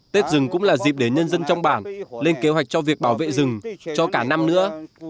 tết rừng cũng là dịp để nhân dân trong bản lên kế hoạch cho việc bảo vệ rừng cho cả năm nữa